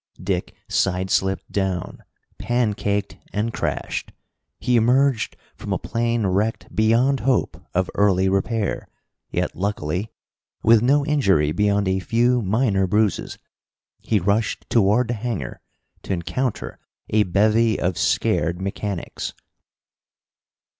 Dick side slipped down, pancaked, and crashed. He emerged from a plane wrecked beyond hope of early repair, yet luckily with no injury beyond a few minor bruises. He rushed toward the hangar, to encounter a bevy of scared mechanics.